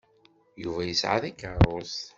Yuba yesɛa takeṛṛust.